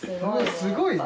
すごいね。